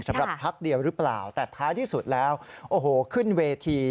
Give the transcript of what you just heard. พักเดียวหรือเปล่าแต่ท้ายที่สุดแล้วโอ้โหขึ้นเวที